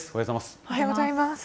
おはようございます。